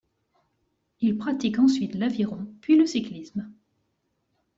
Il pratique ensuite l'aviron, puis le cyclisme.